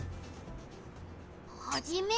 ハジメ！